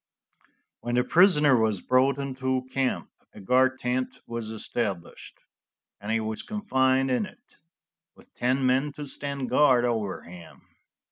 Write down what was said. When the prisoner was brought into camp a guard tent was established, and he was confined in it, with ten men to stand guard over him.